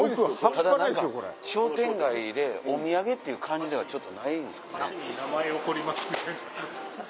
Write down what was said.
ただ何か商店街でお土産っていう感じではちょっとないね。